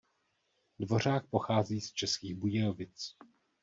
Dvořák pochází z Českých Budějovic.